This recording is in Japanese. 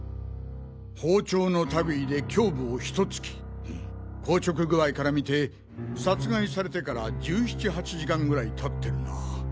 包丁の類いで胸部をひと突き硬直具合からみて殺害されてから１７１８時間ぐらいたってるな。